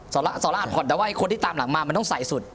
สอราชผ่อนแต่ว่าคนที่ตามหลังมามันต้องใส่สุด